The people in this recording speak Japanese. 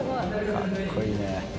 かっこいいね。